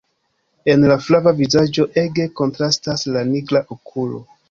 En la flava vizaĝo ege kontrastas la nigra okulo.